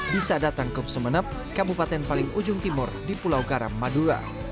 bisa datang ke sumeneb kabupaten paling ujung timur di pulau garam madura